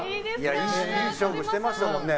いい勝負してましたもんね。